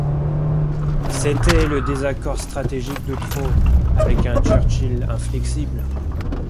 C'était le désaccord stratégique de trop, avec un Churchill inflexible.